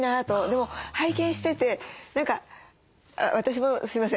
でも拝見してて何か私もすいません。